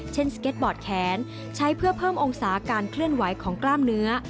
สเก็ตบอร์ดแขนใช้เพื่อเพิ่มองศาการเคลื่อนไหวของกล้ามเนื้อ